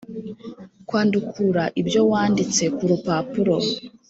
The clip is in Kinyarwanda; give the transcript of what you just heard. Kwandukura ibyo wanditse ku rupapuro